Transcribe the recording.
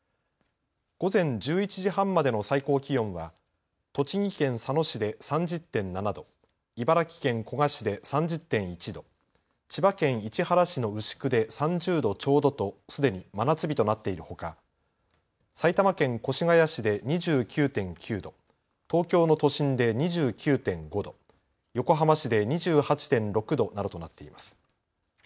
午前１１時半までの最高気温は栃木県佐野市で３０．７度、茨城県古河市で３０．１度、千葉県市原市の牛久で３０度ちょうどとすでに真夏日となっているほか埼玉県越谷市で２９．９度、東京の都心で２９．５度、横浜市で２８．６度などとなっています。